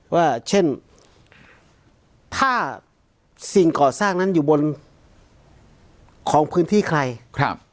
ว่าเช่นถ้าสิ่งก่อสร้างนั้นอยู่บนของพื้นที่ใครครับ